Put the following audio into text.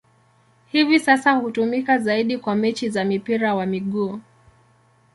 Hivi sasa hutumika zaidi kwa mechi za mpira wa miguu.